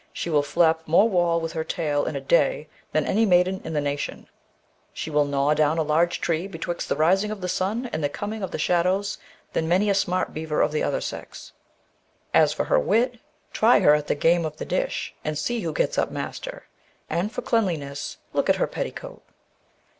She will flap more wall with her tail in a day than any maiden in the nation ; she will gnaw down a larger tree betwixt the rising of the sun and the coming of the shadows than many a smart beaver of the other sex. As for her wit, try her at the game of the dish, and see who gets up master ; and for cleanliness, look at her petticoat?